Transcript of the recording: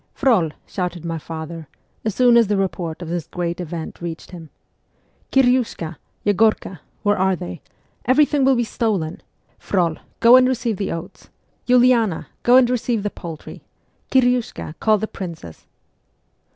' Frol !' shouted my father, as soon as the report of this great event reached him. ' Kiryushka ! Yeg6rka ! Where are they ? Everything will be stolen ! Frol, go and receive the oats ! Uliana, go and receive the poultry ! Kiryushka, call the princess